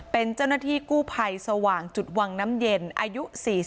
เป็นเจ้าหน้าที่กู้ภัยสว่างจุดวังน้ำเย็นอายุ๔๒